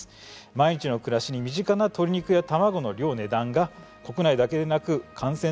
毎日の暮らしに身近な鶏肉や卵の量値段が国内だけでなく感染動向